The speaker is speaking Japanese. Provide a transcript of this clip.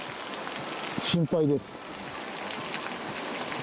心配です。